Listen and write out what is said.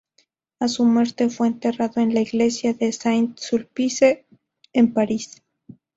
A su muerte, fue enterrado en la Iglesia de Saint-Sulpice, en París.